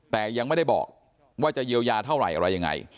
แต่ยังไม่ได้บอกว่าจะเยียวยาเท่าไหร่อะไรยังไง